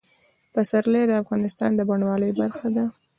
پسرلی د افغانستان د بڼوالۍ برخه ده.